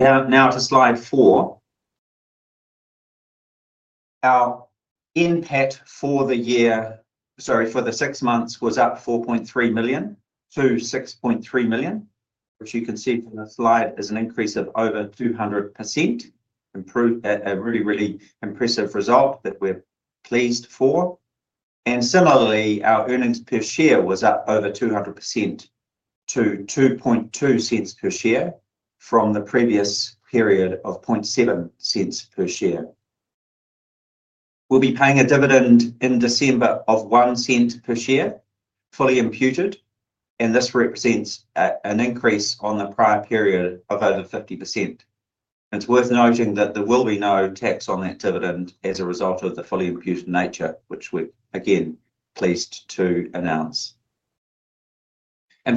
Now to slide four. Our input for the year—sorry, for the six months—was up 4.3 million to 6.3 million, which you can see from the slide is an increase of over 200%. Improved at a really, really impressive result that we're pleased for. Similarly, our earnings per share was up over 200% to 0.022 per share from the previous period of 0.007 per share. We will be paying a dividend in December of 0.01 per share, fully imputed, and this represents an increase on the prior period of over 50%. It is worth noting that there will be no tax on that dividend as a result of the fully imputed nature, which we're, again, pleased to announce.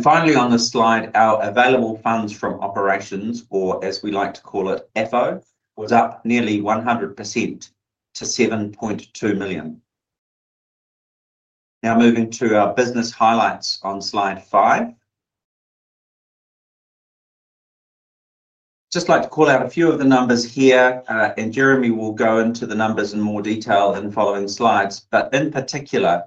Finally, on this slide, our available funds from operations, or as we like to call it, FO, was up nearly 100% to 7.2 million. Now moving to our business highlights on slide five. Just like to call out a few of the numbers here, and Jeremy will go into the numbers in more detail in following slides, but in particular,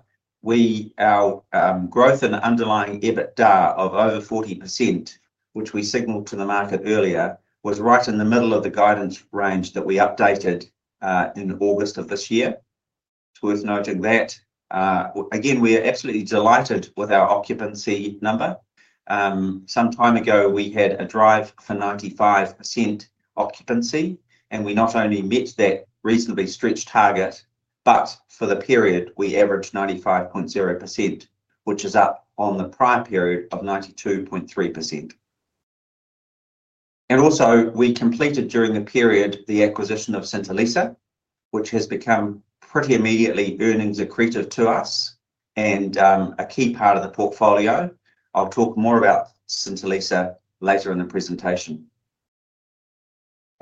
our growth in underlying EBITDA of over 40%, which we signaled to the market earlier, was right in the middle of the guidance range that we updated in August of this year. It's worth noting that. Again, we are absolutely delighted with our occupancy number. Some time ago, we had a drive for 95% occupancy, and we not only met that reasonably stretched target, but for the period, we averaged 95.0%, which is up on the prior period of 92.3%. Also, we completed during the period the acquisition of St Allisa, which has become pretty immediately earnings accretive to us and a key part of the portfolio. I'll talk more about St Allisa later in the presentation.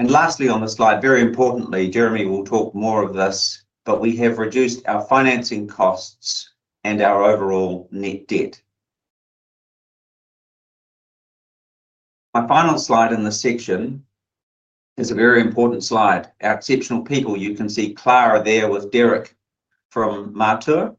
Lastly, on the slide, very importantly, Jeremy will talk more of this, but we have reduced our financing costs and our overall net debt. My final slide in this section is a very important slide. Our exceptional people, you can see Clara there with Derek from Marteau.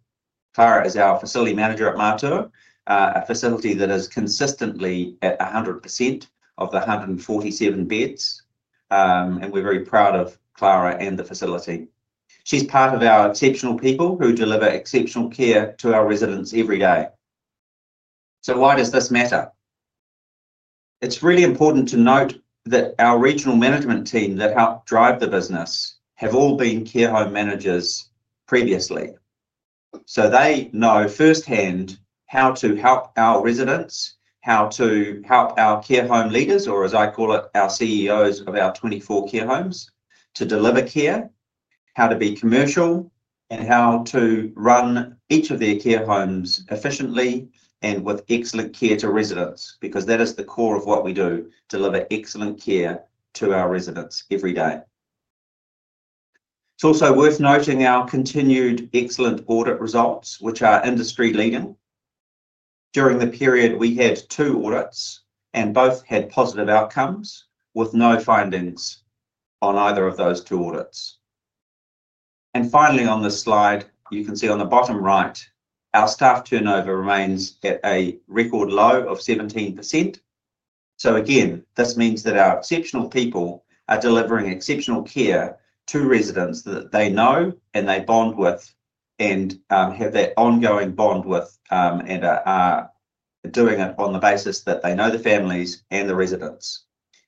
Clara is our facility manager at Marteau, a facility that is consistently at 100% of the 147 beds, and we're very proud of Clara and the facility. She's part of our exceptional people who deliver exceptional care to our residents every day. Why does this matter? It's really important to note that our regional management team that helped drive the business have all been care home managers previously. They know firsthand how to help our residents, how to help our care home leaders, or as I call it, our CEOs of our 24 care homes, to deliver care, how to be commercial, and how to run each of their care homes efficiently and with excellent care to residents, because that is the core of what we do: deliver excellent care to our residents every day. It is also worth noting our continued excellent audit results, which are industry-leading. During the period, we had two audits, and both had positive outcomes with no findings on either of those two audits. Finally, on this slide, you can see on the bottom right, our staff turnover remains at a record low of 17%. Again, this means that our exceptional people are delivering exceptional care to residents that they know and they bond with and have that ongoing bond with and are doing it on the basis that they know the families and the residents.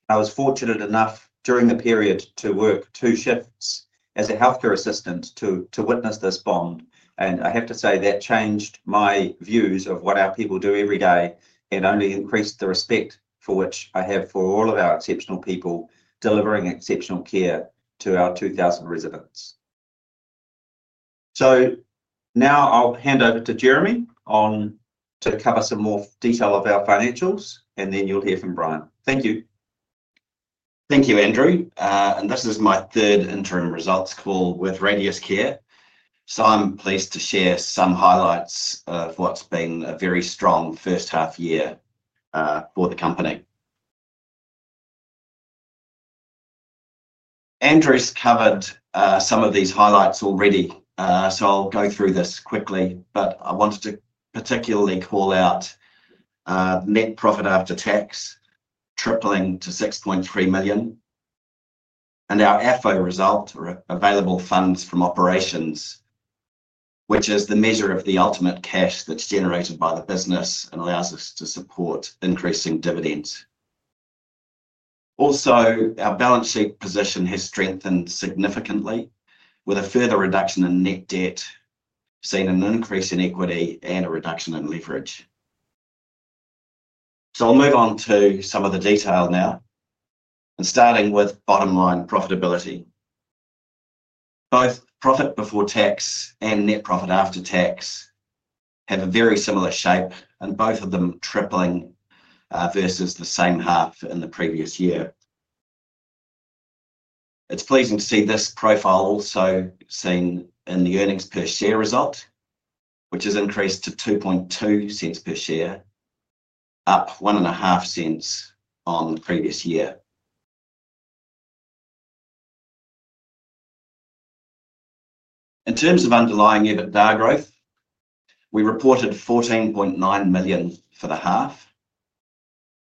I was fortunate enough during the period to work two shifts as a healthcare assistant to witness this bond, and I have to say that changed my views of what our people do every day and only increased the respect for which I have for all of our exceptional people delivering exceptional care to our 2,000 residents. Now I'll hand over to Jeremy to cover some more detail of our financials, and then you'll hear from Brien. Thank you. Thank you, Andrew. This is my third interim results call with Radius Care. I'm pleased to share some highlights of what's been a very strong first half year for the company. Andrew's covered some of these highlights already, so I'll go through this quickly, but I wanted to particularly call out net profit after tax tripling to 6.3 million, and our FO result, or available funds from operations, which is the measure of the ultimate cash that's generated by the business and allows us to support increasing dividends. Also, our balance sheet position has strengthened significantly with a further reduction in net debt, seeing an increase in equity and a reduction in leverage. I'll move on to some of the detail now, starting with bottom line profitability. Both profit before tax and net profit after tax have a very similar shape, and both of them tripling versus the same half in the previous year. It's pleasing to see this profile also seen in the earnings per share result, which has increased to 0.022 per share, up 0.015 on the previous year. In terms of underlying EBITDA growth, we reported 14.9 million for the half,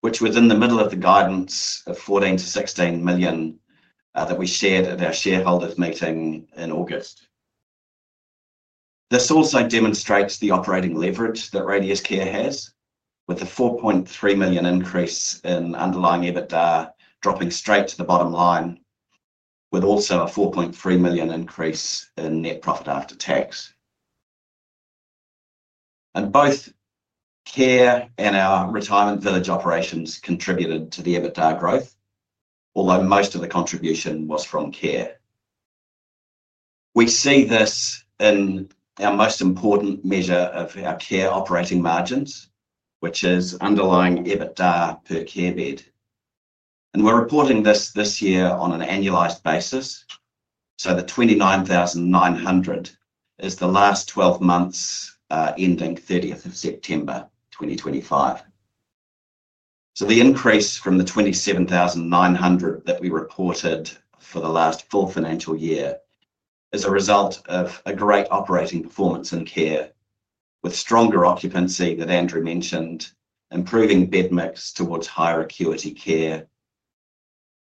which was in the middle of the guidance of 14 million-16 million that we shared at our shareholders' meeting in August. This also demonstrates the operating leverage that Radius Care has, with a 4.3 million increase in underlying EBITDA dropping straight to the bottom line, with also a 4.3 million increase in net profit after tax. Both care and our retirement village operations contributed to the EBITDA growth, although most of the contribution was from care. We see this in our most important measure of our care operating margins, which is underlying EBITDA per care bed. We are reporting this this year on an annualized basis, so the 29,900 is the last 12 months ending 30th of September 2025. The increase from the 27,900 that we reported for the last full financial year is a result of a great operating performance in care, with stronger occupancy that Andrew mentioned, improving bed mix towards higher acuity care,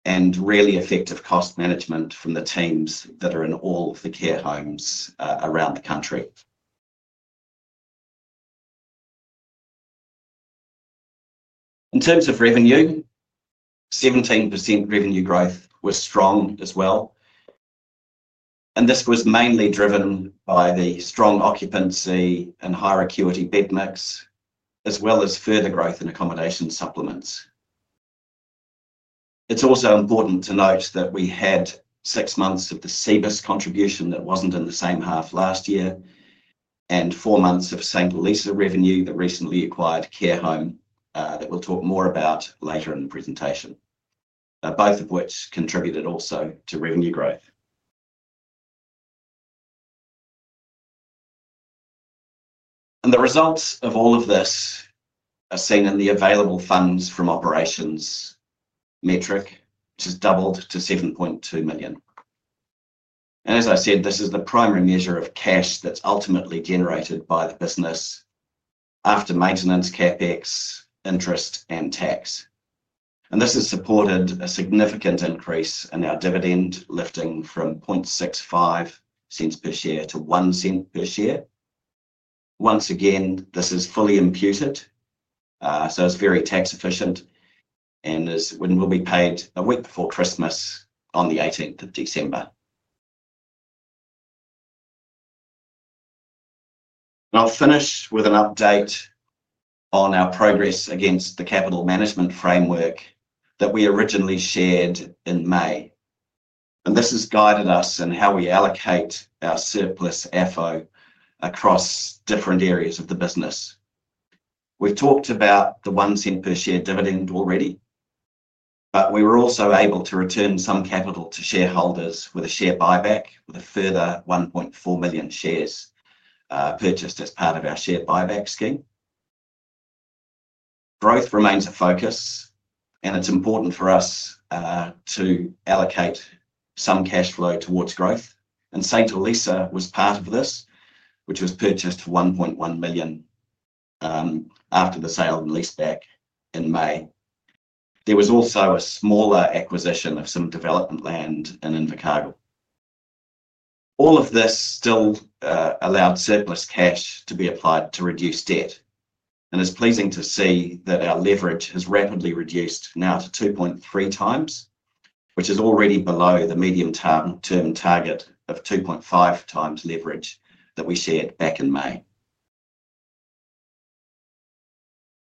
and really effective cost management from the teams that are in all of the care homes around the country. In terms of revenue, 17% revenue growth was strong as well, and this was mainly driven by the strong occupancy and higher acuity bed mix, as well as further growth in accommodation supplements. It's also important to note that we had six months of the CBIS contribution that wasn't in the same half last year, and four months of St Allisa revenue, that recently acquired care home that we'll talk more about later in the presentation, both of which contributed also to revenue growth. The results of all of this are seen in the available funds from operations metric, which has doubled to 7.2 million. As I said, this is the primary measure of cash that's ultimately generated by the business after maintenance capex, interest, and tax. This has supported a significant increase in our dividend, lifting from 0.0065 per share to 0.01 per share. Once again, this is fully imputed, so it's very tax efficient and will be paid a week before Christmas on the 18th of December. I'll finish with an update on our progress against the capital management framework that we originally shared in May. This has guided us in how we allocate our surplus FO across different areas of the business. We've talked about the $0.01 per share dividend already, but we were also able to return some capital to shareholders with a share buyback, with a further 1.4 million shares purchased as part of our share buyback scheme. Growth remains a focus, and it's important for us to allocate some cash flow towards growth. St Allisa was part of this, which was purchased for 1.1 million after the sale and lease back in May. There was also a smaller acquisition of some development land in Invercargill. All of this still allowed surplus cash to be applied to reduce debt. It is pleasing to see that our leverage has rapidly reduced now to 2.3 times, which is already below the medium-term target of 2.5 times leverage that we shared back in May.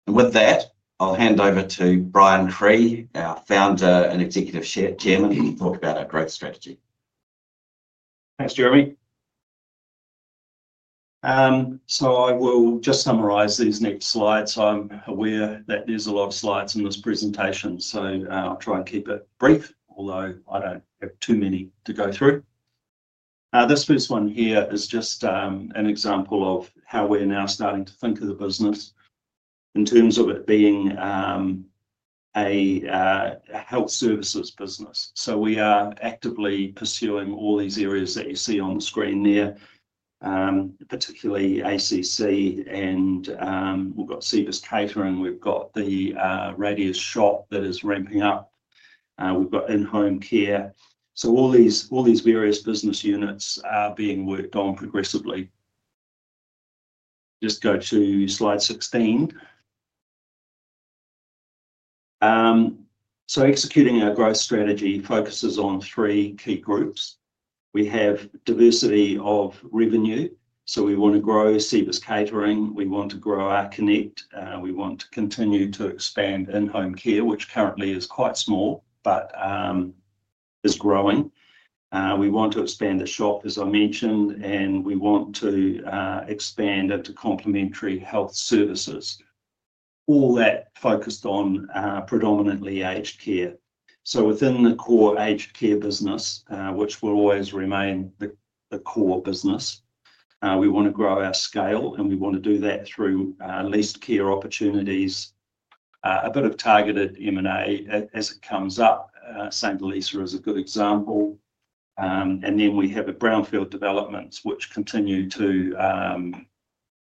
With that, I'll hand over to Brien Cree, our Founder and Executive Chair, to talk about our growth strategy. Thanks, Jeremy. I will just summarize these next slides. I'm aware that there's a lot of slides in this presentation, so I'll try and keep it brief, although I don't have too many to go through. This first one here is just an example of how we're now starting to think of the business in terms of it being a health services business. We are actively pursuing all these areas that you see on the screen there, particularly ACC, and we've got CBIS Catering. We've got the Radius shop that is ramping up. We've got in-home care. All these various business units are being worked on progressively. Just go to slide 16. Executing our growth strategy focuses on three key groups. We have diversity of revenue, so we want to grow CBIS Catering. We want to grow our connect. We want to continue to expand in-home care, which currently is quite small but is growing. We want to expand the shop, as I mentioned, and we want to expand into complementary health services, all that focused on predominantly aged care. Within the core aged care business, which will always remain the core business, we want to grow our scale, and we want to do that through leased care opportunities, a bit of targeted M&A as it comes up. St Allisa is a good example. We have Brownfield Developments, which continue to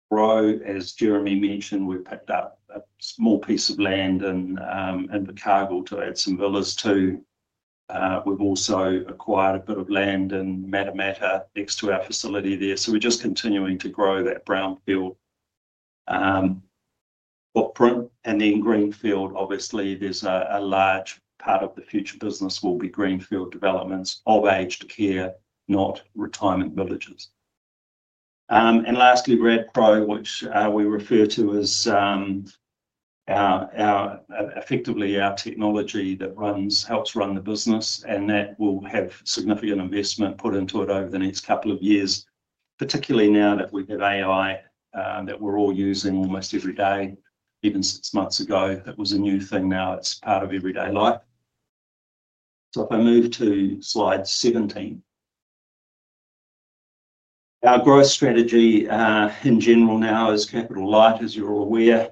grow. As Jeremy mentioned, we picked up a small piece of land in Invercargill to add some villas to. We have also acquired a bit of land in Matamata next to our facility there. We are just continuing to grow that Brownfield footprint. Greenfield, obviously, there's a large part of the future business will be Greenfield Developments of aged care, not retirement villages. Lastly, RedPro, which we refer to as effectively our technology that helps run the business, and that will have significant investment put into it over the next couple of years, particularly now that we have AI that we're all using almost every day. Even six months ago, it was a new thing. Now it's part of everyday life. If I move to slide 17, our growth strategy in general now is capital light, as you're all aware.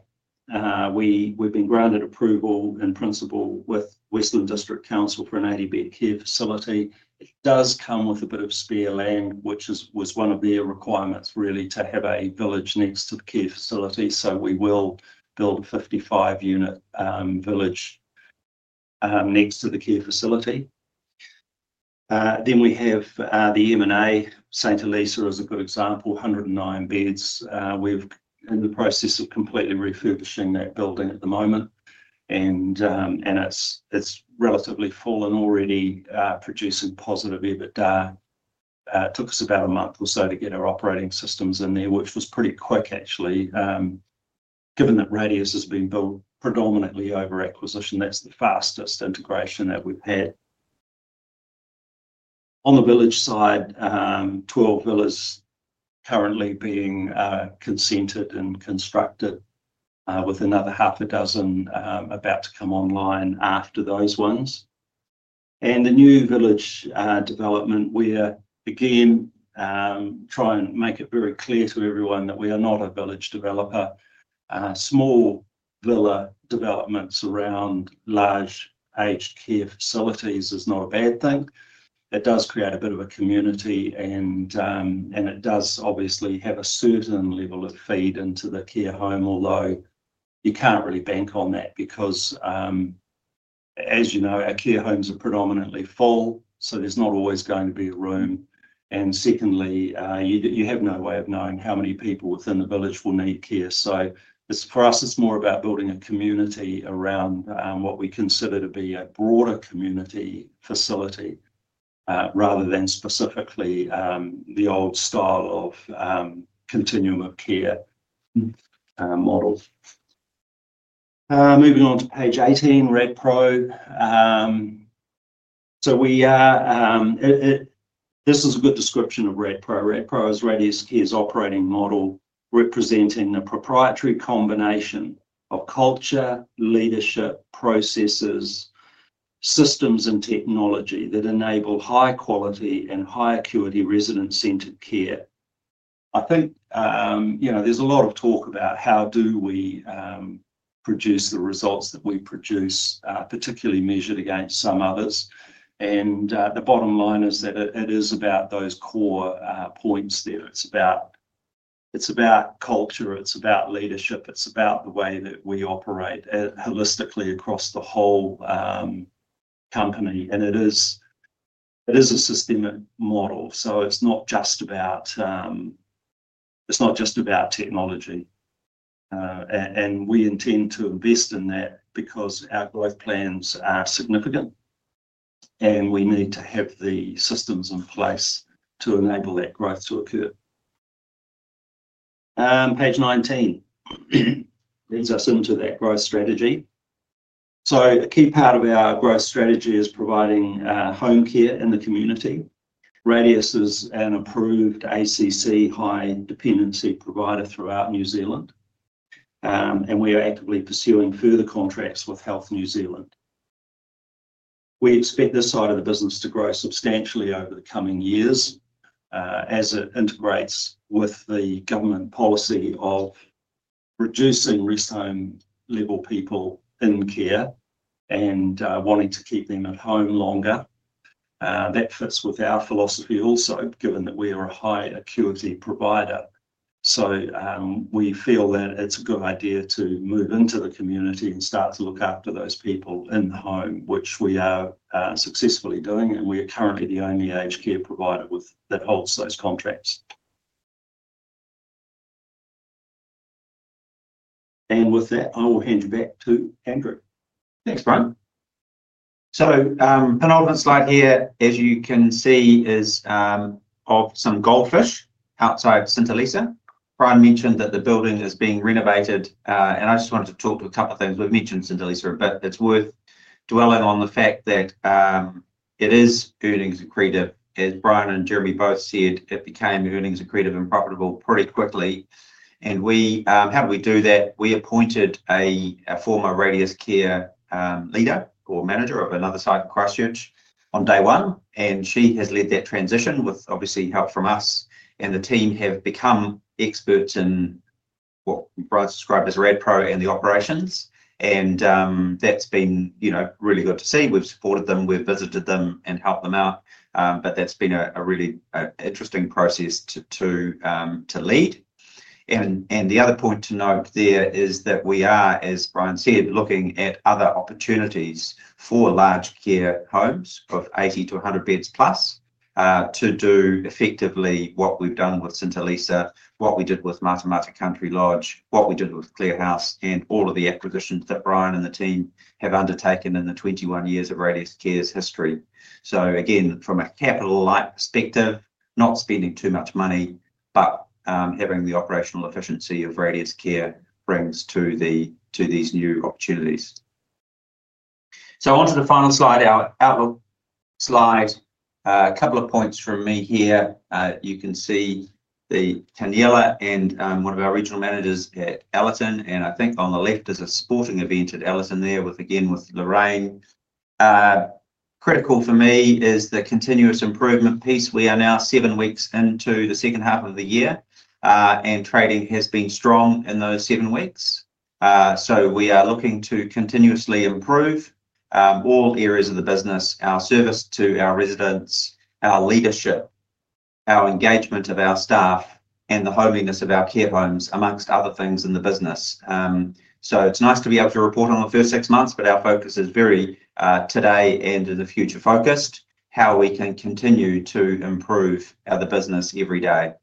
We've been granted approval in principle with Western District Council for an 80-bed care facility. It does come with a bit of spare land, which was one of their requirements, really, to have a village next to the care facility. We will build a 55-unit village next to the care facility. We have the M&A. St Allisa is a good example, 109 beds. We're in the process of completely refurbishing that building at the moment, and it's relatively full already, producing positive EBITDA. It took us about a month or so to get our operating systems in there, which was pretty quick, actually, given that Radius has been built predominantly over acquisition. That's the fastest integration that we've had. On the village side, 12 villas currently being consented and constructed, with another half a dozen about to come online after those ones. The new village development, we're again trying to make it very clear to everyone that we are not a village developer. Small villa developments around large aged care facilities is not a bad thing. It does create a bit of a community, and it does obviously have a certain level of feed into the care home, although you can't really bank on that because, as you know, our care homes are predominantly full, so there's not always going to be a room. Secondly, you have no way of knowing how many people within the village will need care. For us, it's more about building a community around what we consider to be a broader community facility rather than specifically the old style of continuum of care model. Moving on to page 18, RedPro. This is a good description of RedPro. RedPro is Radius Care's operating model, representing the proprietary combination of culture, leadership, processes, systems, and technology that enable high-quality and high-acuity resident-centered care. I think there's a lot of talk about how do we produce the results that we produce, particularly measured against some others. The bottom line is that it is about those core points there. It's about culture. It's about leadership. It's about the way that we operate holistically across the whole company. It is a systemic model. It's not just about technology. We intend to invest in that because our growth plans are significant, and we need to have the systems in place to enable that growth to occur. Page 19 leads us into that growth strategy. A key part of our growth strategy is providing home care in the community. Radius is an approved ACC high-dependency provider throughout New Zealand, and we are actively pursuing further contracts with Health New Zealand. We expect this side of the business to grow substantially over the coming years as it integrates with the government policy of reducing rest home-level people in care and wanting to keep them at home longer. That fits with our philosophy also, given that we are a high-acuity provider. We feel that it's a good idea to move into the community and start to look after those people in the home, which we are successfully doing. We are currently the only aged care provider that holds those contracts. With that, I will hand you back to Andrew. Thanks, Brien. An older slide here, as you can see, is of some goldfish outside St Allisa. Brien mentioned that the building is being renovated, and I just wanted to talk to a couple of things. We've mentioned St Allisa a bit. It's worth dwelling on the fact that it is earnings accretive. As Brien and Jeremy both said, it became earnings accretive and profitable pretty quickly. How did we do that? We appointed a former Radius Care leader or manager of another site in Christchurch on day one, and she has led that transition with obviously help from us. The team have become experts in what Brien described as RedPro and the operations. That's been really good to see. We've supported them. We've visited them and helped them out. That's been a really interesting process to lead. The other point to note there is that we are, as Brien said, looking at other opportunities for large care homes of 80-100 beds plus to do effectively what we've done with St Allisa, what we did with Matamata Country Lodge, what we did with Clearhouse, and all of the acquisitions that Brien and the team have undertaken in the 21 years of Radius Care's history. Again, from a capital light perspective, not spending too much money, but having the operational efficiency that Radius Care brings to these new opportunities. Onto the final slide, our outlook slide. A couple of points from me here. You can see the Canyella and one of our regional managers at Elloughton. I think on the left is a sporting event at Elloughton there with, again, with Lorraine. Critical for me is the continuous improvement piece. We are now seven weeks into the second half of the year, and trading has been strong in those seven weeks. We are looking to continuously improve all areas of the business: our service to our residents, our leadership, our engagement of our staff, and the homeliness of our care homes, amongst other things in the business. It is nice to be able to report on the first six months, but our focus is very today and in the future focused on how we can continue to improve the business every day.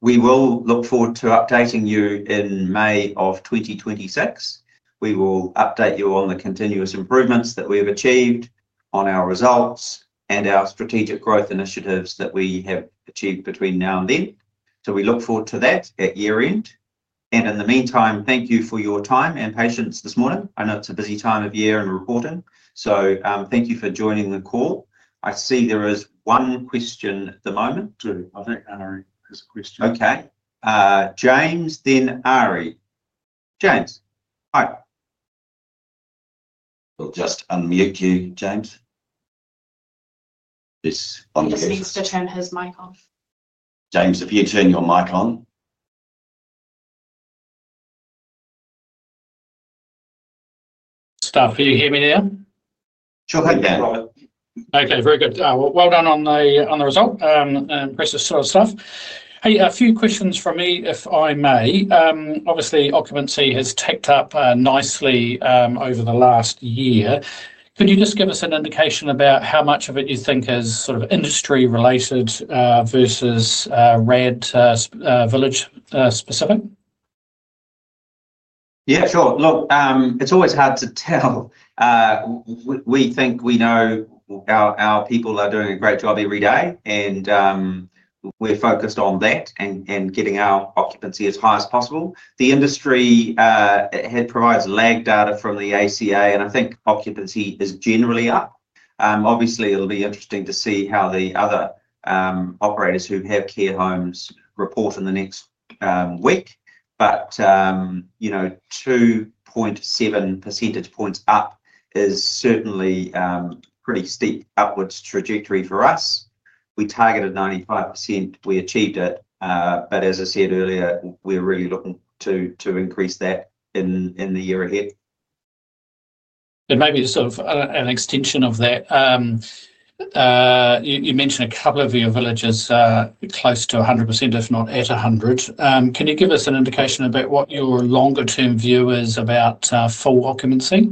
We will look forward to updating you in May of 2026. We will update you on the continuous improvements that we have achieved on our results and our strategic growth initiatives that we have achieved between now and then. We look forward to that at year-end. Thank you for your time and patience this morning. I know it's a busy time of year and reporting. Thank you for joining the call. I see there is one question at the moment. Two. I think Ari has a question. Okay. James, then Ari. James, hi. We'll just unmute you, James. He just needs to turn his mic off. James, if you turn your mic on. Staff, can you hear me now? Sure thing. Okay. Very good. Well done on the result and the rest of the sort of stuff. Hey, a few questions from me, if I may. Obviously, occupancy has ticked up nicely over the last year. Could you just give us an indication about how much of it you think is sort of industry-related versus Radius-specific? Yeah, sure. Look, it's always hard to tell. We think we know our people are doing a great job every day, and we're focused on that and getting our occupancy as high as possible. The industry provides lag data from the ACA, and I think occupancy is generally up. Obviously, it will be interesting to see how the other operators who have care homes report in the next week. 2.7 percentage points up is certainly a pretty steep upwards trajectory for us. We targeted 95%. We achieved it. As I said earlier, we're really looking to increase that in the year ahead. Maybe sort of an extension of that, you mentioned a couple of your villages close to 100%, if not at 100. Can you give us an indication about what your longer-term view is about full occupancy?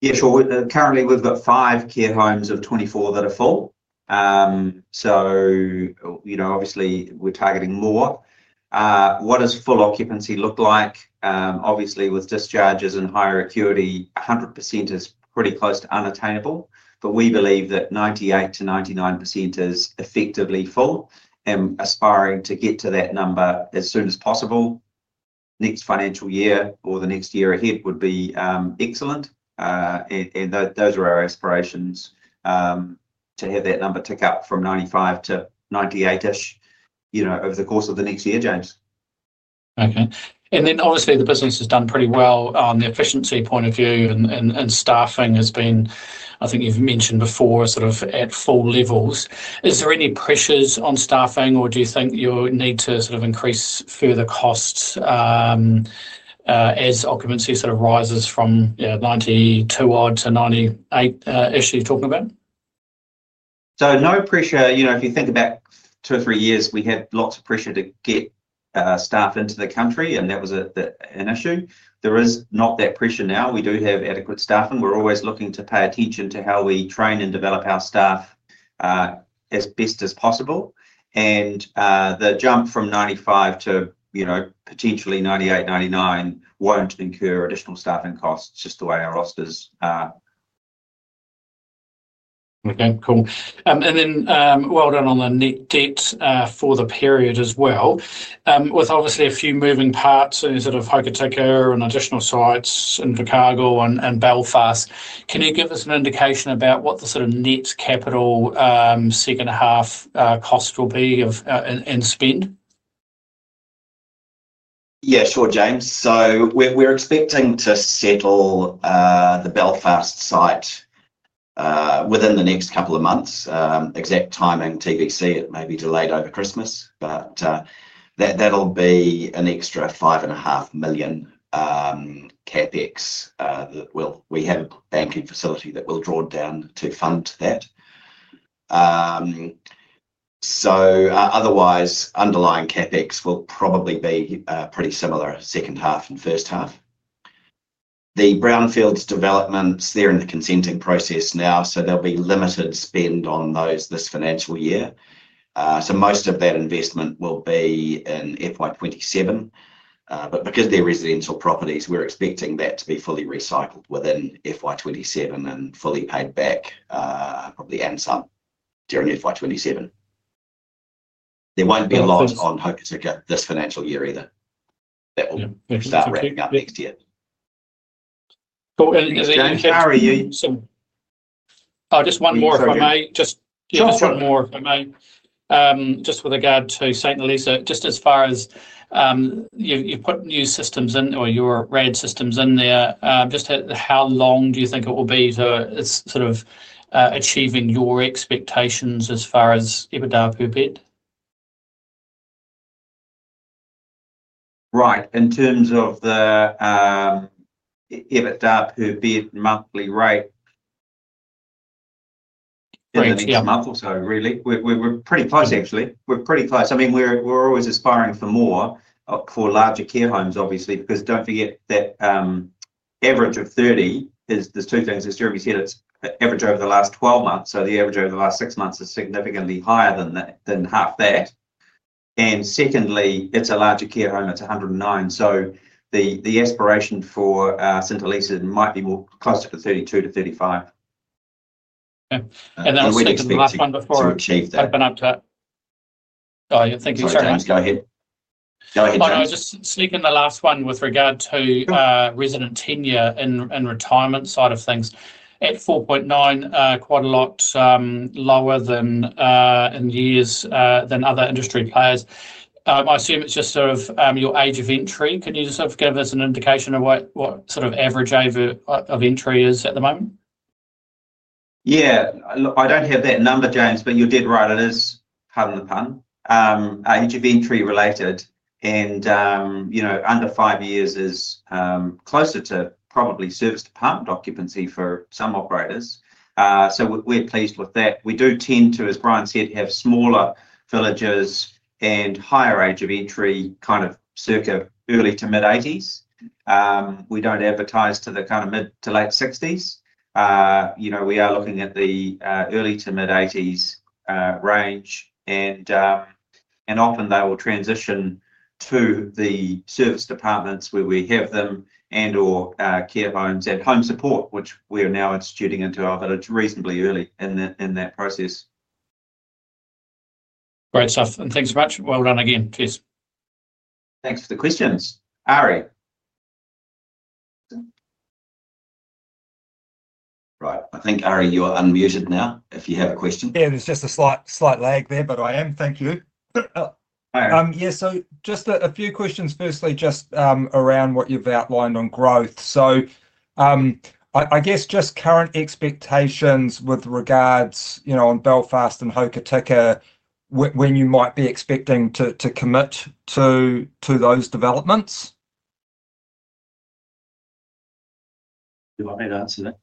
Yeah, sure. Currently, we've got five care homes of 24 that are full. Obviously, we're targeting more. What does full occupancy look like? Obviously, with discharges and higher acuity, 100% is pretty close to unattainable. We believe that 98%-99% is effectively full. Aspiring to get to that number as soon as possible next financial year or the next year ahead would be excellent. Those are our aspirations: to have that number tick up from 95%-98% over the course of the next year, James. Okay. Obviously, the business has done pretty well on the efficiency point of view, and staffing has been, I think you've mentioned before, sort of at full levels. Is there any pressures on staffing, or do you think you'll need to sort of increase further costs as occupancy sort of rises from 92% to 98% you're talking about? No pressure. If you think about two or three years, we had lots of pressure to get staff into the country, and that was an issue. There is not that pressure now. We do have adequate staffing. We're always looking to pay attention to how we train and develop our staff as best as possible. The jump from 95 to potentially 98%-99% won't incur additional staffing costs, just the way our rosters are. Okay. Cool. And then well done on the net debt for the period as well, with obviously a few moving parts and sort of Hokitika and additional sites in Invercargill and Belfast. Can you give us an indication about what the sort of net capital second half cost will be and spend? Yeah, sure, James. So we're expecting to settle the Belfast site within the next couple of months. Exact timing TBC, it may be delayed over Christmas. That'll be an extra 5.5 million CapEx. We have a banking facility that we'll draw down to fund that. Otherwise, underlying CapEx will probably be pretty similar, second half and first half. The brownfields developments, they're in the consenting process now, so there'll be limited spend on those this financial year. Most of that investment will be in FY 2027. Because they're residential properties, we're expecting that to be fully recycled within FY 2027 and fully paid back, probably also during FY 2027. There won't be a lot on Hokitika this financial year either. That will start ramping up next year. Cool. Ari, just one more if I may. Just with regard to St Allisa, as far as you've put new systems in or your RedPro systems in there, how long do you think it will be to sort of achieving your expectations as far as EBITDA? Right. In terms of the EBITDA bed monthly rate, it's been a month or so, really. We're pretty close, actually. We're pretty close. I mean, we're always aspiring for more for larger care homes, obviously, because don't forget that average of 30 is there's two things. As Jeremy said, it's average over the last 12 months. So the average over the last six months is significantly higher than half that. And secondly, it's a larger care home. It's 109. So the aspiration for St Allisa might be more closer to 32-35. Okay. That was second to last one before I open up to it. We need to. Oh, yeah. Thank you. Sorry. Sorry. Go ahead. Go ahead, James. I was just sneaking the last one with regard to resident tenure and retirement side of things. At 4.9, quite a lot lower than in years than other industry players. I assume it's just sort of your age of entry. Can you sort of give us an indication of what sort of average age of entry is at the moment? Yeah. Look, I don't have that number, James, but you did write it as pun on the pun. Age of entry related. Under five years is closer to probably service apartment occupancy for some operators. We are pleased with that. We do tend to, as Brien said, have smaller villages and higher age of entry, kind of circa early to mid-80s. We don't advertise to the kind of mid to late 60s. We are looking at the early to mid-80s range. Often they will transition to the service apartments where we have them and/or care homes and home support, which we are now instituting into our village. Reasonably early in that process. Great stuff. Thanks so much. Well done again, please. Thanks for the questions, Ari. Right. I think, Ari, you're unmuted now if you have a question. Yeah. There's just a slight lag there, but I am. Thank you. Hi. Yeah. So just a few questions, firstly, just around what you've outlined on growth. I guess just current expectations with regards on Belfast and Hokitika, when you might be expecting to commit to those developments? Do you want me to answer that?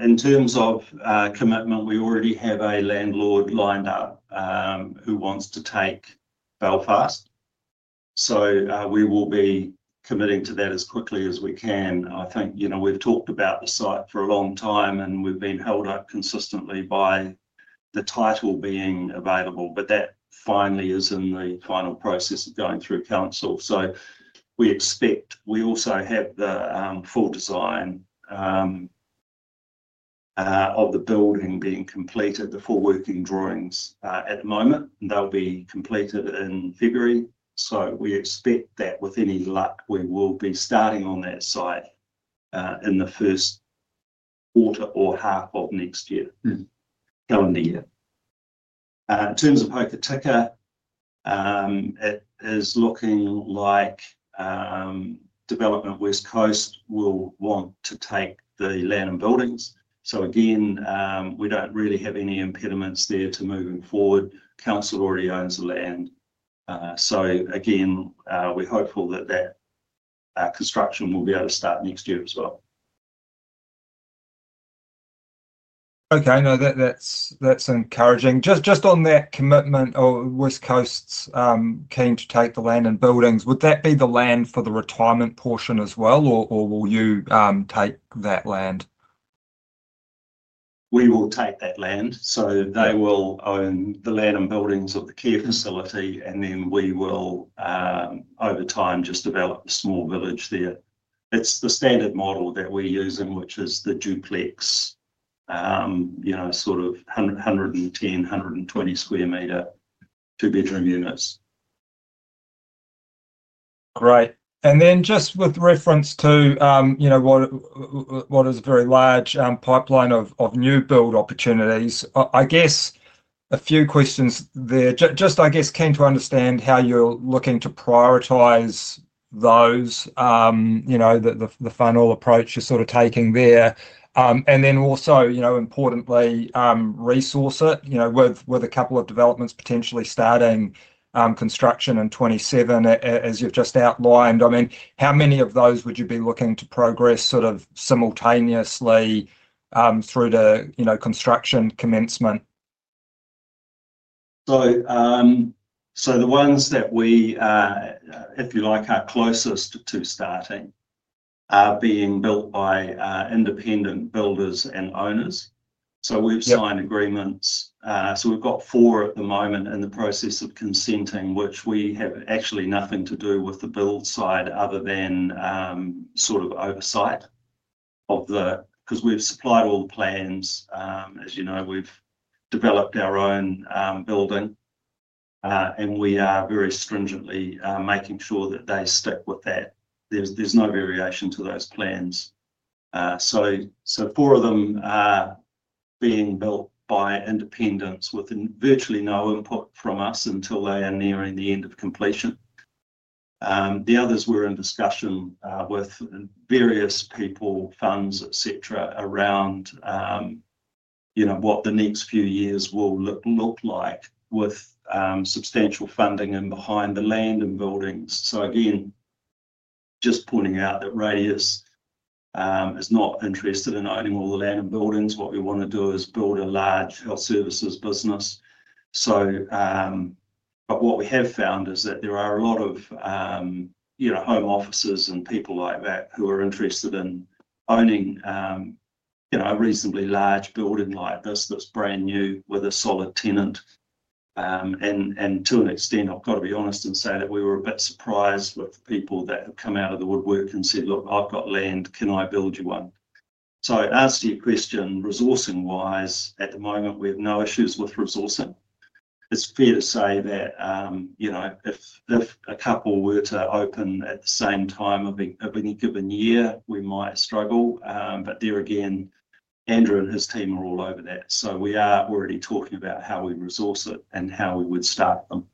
In terms of commitment, we already have a landlord lined up who wants to take Belfast. We will be committing to that as quickly as we can. I think we've talked about the site for a long time, and we've been held up consistently by the title being available. That finally is in the final process of going through council. We also have the full design of the building being completed, the full working drawings at the moment. They'll be completed in February. We expect that with any luck, we will be starting on that site in the first quarter or half of next calendar year. In terms of Hokitika, it is looking like Development West Coast will want to take the land and buildings. Again, we don't really have any impediments there to moving forward. Council already owns the land. Again, we're hopeful that that construction will be able to start next year as well. Okay. No, that's encouraging. Just on that commitment, West Coast's keen to take the land and buildings. Would that be the land for the retirement portion as well, or will you take that land? We will take that land. They will own the land and buildings of the care facility, and then we will, over time, just develop a small village there. It is the standard model that we are using, which is the duplex, sort of 110-120 sq m, two-bedroom units. Great. Just with reference to what is a very large pipeline of new build opportunities, I guess a few questions there. Just, I guess, keen to understand how you're looking to prioritize those, the final approach you're sort of taking there. Also, importantly, resource it with a couple of developments potentially starting construction in 2027, as you've just outlined. I mean, how many of those would you be looking to progress sort of simultaneously through to construction commencement? The ones that we, if you like, are closest to starting are being built by independent builders and owners. We have signed agreements. We have four at the moment in the process of consenting, which we have actually nothing to do with the build side other than sort of oversight because we have supplied all the plans. As you know, we have developed our own building, and we are very stringently making sure that they stick with that. There is no variation to those plans. Four of them are being built by independents with virtually no input from us until they are nearing the end of completion. The others we are in discussion with various people, funds, etc., around what the next few years will look like with substantial funding and behind the land and buildings. Again, just pointing out that Radius is not interested in owning all the land and buildings. What we want to do is build a large health services business. What we have found is that there are a lot of home offices and people like that who are interested in owning a reasonably large building like this that's brand new with a solid tenant. To an extent, I've got to be honest and say that we were a bit surprised with people that have come out of the woodwork and said, "Look, I've got land. Can I build you one?" As to your question, resourcing-wise, at the moment, we have no issues with resourcing. It's fair to say that if a couple were to open at the same time of any given year, we might struggle. There again, Andrew and his team are all over that. We are already talking about how we resource it and how we would start them.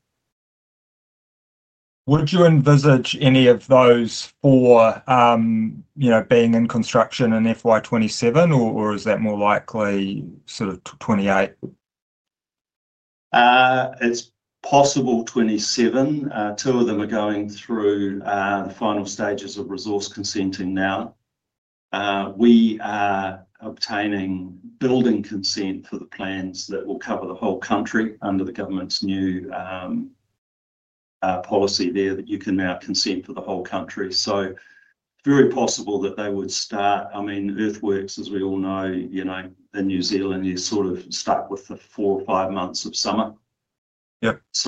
Would you envisage any of those four being in construction in FY 2027, or is that more likely sort of 2028? It's possible 2027. Two of them are going through the final stages of resource consenting now. We are obtaining building consent for the plans that will cover the whole country under the government's new policy there that you can now consent for the whole country. So very possible that they would start. I mean, earthworks, as we all know, in New Zealand, you're sort of stuck with the four or five months of summer. It's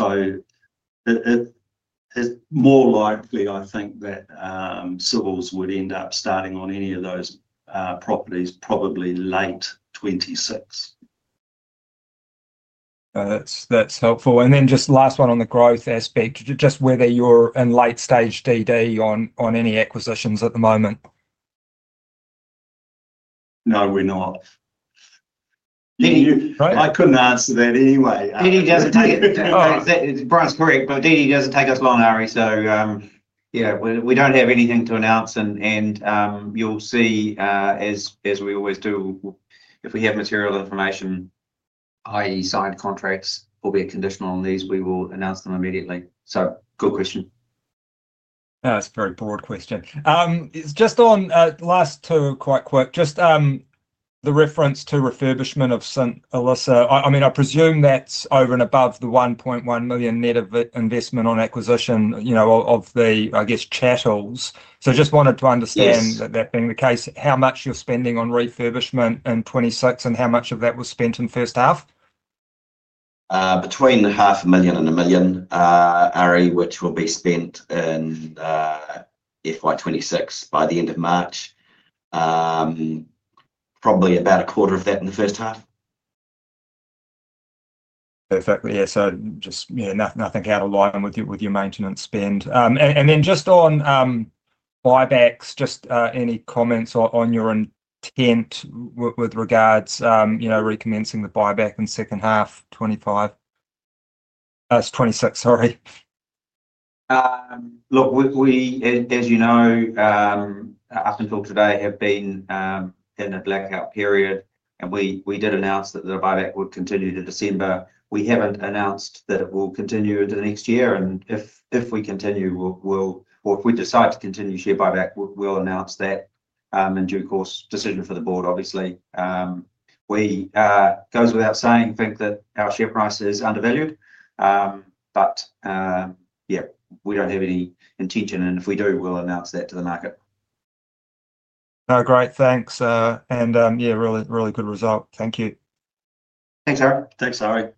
more likely, I think, that civil would end up starting on any of those properties probably late 2026. That's helpful. And then just last one on the growth aspect, just whether you're in late-stage DD on any acquisitions at the moment? No, we're not. Yeah. I couldn't answer that anyway. DD doesn't take it. Oh, that's correct. DD doesn't take us long, Ari. Yeah, we don't have anything to announce. You'll see, as we always do, if we have material information, i.e., signed contracts, probably conditional on these, we will announce them immediately. Good question. That's a very broad question. Just on last two, quite quick, just the reference to refurbishment of St Allisa. I mean, I presume that's over and above the 1.1 million net investment on acquisition of the, I guess, chattels. So just wanted to understand that being the case, how much you're spending on refurbishment in 2026 and how much of that was spent in first half? Between $500,000 and $1,000,000, Ari, which will be spent in FY 2026 by the end of March. Probably about a quarter of that in the first half. Perfect. Yeah. Just nothing out of line with your maintenance spend. And then just on buybacks, just any comments on your intent with regards to recommencing the buyback in second half 2025? That is 2026, sorry. Look, as you know, up until today, have been in a blackout period. We did announce that the buyback would continue to December. We have not announced that it will continue into the next year. If we continue or if we decide to continue share buyback, we will announce that in due course, decision for the board, obviously. It goes without saying, I think, that our share price is undervalued. Yeah, we do not have any intention. If we do, we will announce that to the market. No, great. Thanks. Yeah, really good result. Thank you. Thanks, Ari. Thanks, Ari.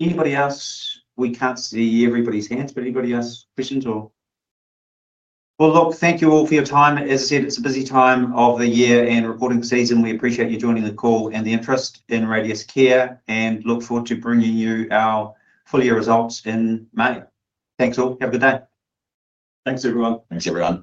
Anybody else? We can't see everybody's hands, but anybody else questions or? Thank you all for your time. As I said, it's a busy time of the year and recording season. We appreciate you joining the call and the interest in Radius Care and look forward to bringing you our full year results in May. Thanks all. Have a good day. Thanks, everyone. Thanks, everyone.